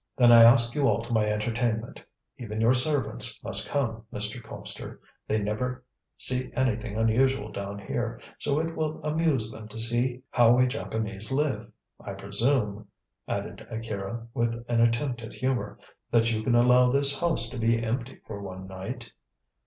"Then I ask you all to my entertainment. Even your servants must come, Mr. Colpster. They never see anything unusual down here, so it will amuse them to see how we Japanese live. I presume," added Akira, with an attempt at humour, "that you can allow this house to be empty for one night?"